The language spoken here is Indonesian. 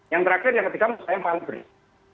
yang terakhir yang ketiga yang saya paham pris